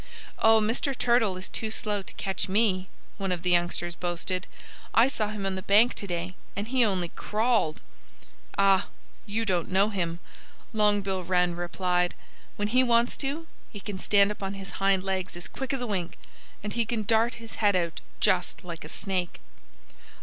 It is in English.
"Oh, Mr. Turtle is too slow to catch me," one of the youngsters boasted. "I saw him on the bank to day; and he only crawled." "Ah! You don't know him," Long Bill Wren replied. "When he wants to, he can stand up on his hind legs as quick as a wink. And he can dart his head out just like a snake."